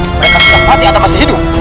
mereka sedang mati atau masih hidup